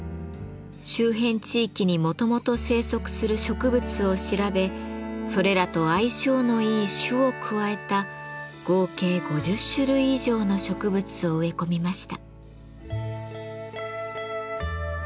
周辺地域にもともと生息する植物を調べそれらと相性のいい種を加えた合計５０種類以上の植物を植え込みました。